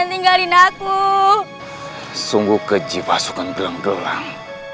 tinggalin aku sungguh keji pasukan gelang gelang